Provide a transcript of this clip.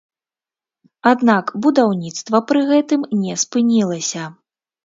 Аднак будаўніцтва пры гэтым не спынілася.